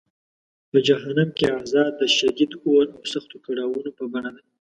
په جهنم کې عذاب د شدید اور او سختو کړاوونو په بڼه دی.